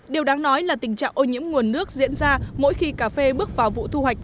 điều đáng nói là tình trạng ô nhiễm nguồn nước diễn ra mỗi khi cà phê bước vào vụ thu hoạch